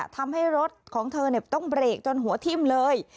ทำให้รถของเธอต้องเบรกจนหัวทิ่มเลย